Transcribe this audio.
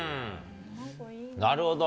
なるほど。